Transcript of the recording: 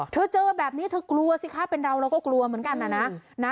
เธอเจอแบบนี้เธอกลัวสิคะเป็นเราเราก็กลัวเหมือนกันนะ